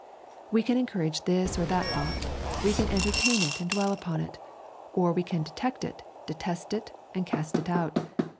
We can encourage this or that thought; we can entertain it and dwell upon it; or we can detect it, detest it, and cast it out.